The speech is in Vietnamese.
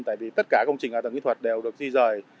tại vì tất cả công trình hạ tầng kỹ thuật đều được di rời